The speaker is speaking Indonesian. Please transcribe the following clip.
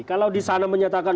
kalau di sana menyatakan